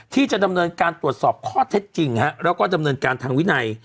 ที่จะดำเนินการตรวจสอบข้อเท็จจริงแล้วก็ดำเนินการทางวินัย